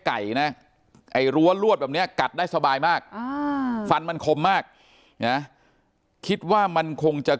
ไก่นะไอ้รั้วลวดแบบนี้กัดได้สบายมากฟันมันคมมากนะคิดว่ามันคงจะ